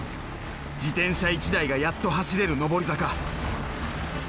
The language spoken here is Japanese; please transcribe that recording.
自転車１台がやっと走れる上り坂。